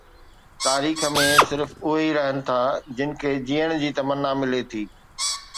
تاريخ ۾ صرف اهي ئي رهن ٿا جن کي جيئڻ جي تمنا ملي ٿي.